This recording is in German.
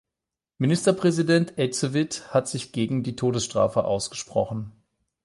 Ministerpräsident Ecevit hat sich gegen die Todesstrafe ausgesprochen.